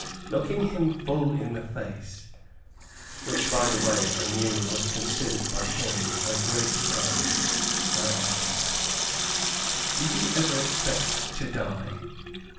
Looking him full in the face (which, by the way, I knew was considered by him a great crime), I asked, "Do you ever expect to die?"